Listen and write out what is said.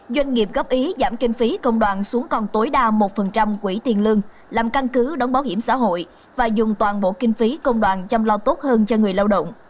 doanh nghiệp góp ý giảm kinh phí công đoàn xuống còn tối đa một quỹ tiền lương làm căn cứ đóng bảo hiểm xã hội và dùng toàn bộ kinh phí công đoàn chăm lo tốt hơn cho người lao động